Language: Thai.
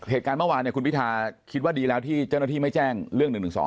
เหตุการณ์เมื่อวานคุณพิธาคิดว่าดีแล้วที่เจ้าหน้าที่ไม่แจ้งเรื่อง๑๑๒